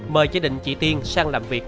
mời gia đình chị tiên sang làm việc